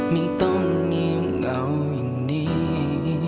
ไม่ต้องเงียบเหงาอย่างนี้